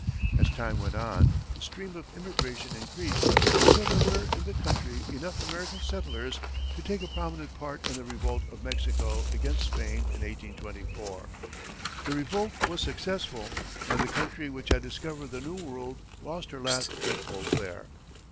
As time went on, the stream of immigration increased, until there were in the country enough American settlers to take a prominent part in the revolt of Mexico against Spain in 1824. The revolt was successful, and the country which had discovered the New World lost her last foothold there.